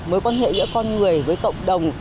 mối quan hệ giữa con người với cộng đồng